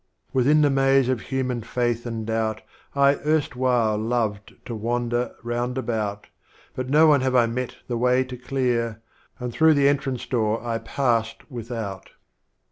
\ A7itliin the Maze of Human Faith and Doubt I erst while loved to wander round about, But No One have I met the Way to clear, And through the Entrance Door I passed Without.